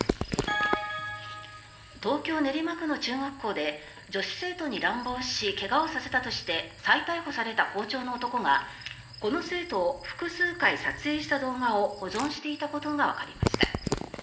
東京・練馬区の中学校で女子生徒に乱暴し怪我をさせたとして再逮捕された校長の男がこの生徒を複数回撮影した動画を保存していたことがわかりました。